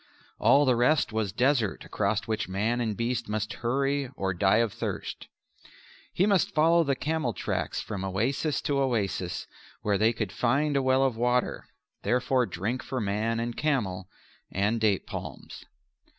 All the rest was desert across which man and beast must hurry or die of thirst. He must follow the camel tracks from oasis to oasis, where they could find a well of water, therefore drink for man and camel, and date palms.